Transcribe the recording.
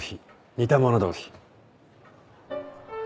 似た者同士。